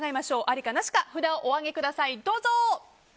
ありかなしか札をお上げください。